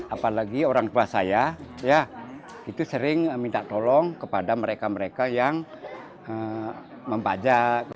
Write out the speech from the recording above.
apalagi orang tua saya itu sering minta tolong kepada mereka mereka yang membajak